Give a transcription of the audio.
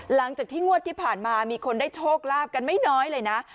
หลังจากที่งวดที่ผ่านมามีคนได้โชคลาภกันไม่น้อยเลยนะ